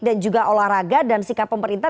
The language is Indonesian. dan juga olahraga dan sikap pemerintah